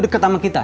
deket sama kita